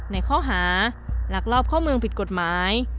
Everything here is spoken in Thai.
ในข้อหารักรอบเข้าเมืองผิดกฎหมาย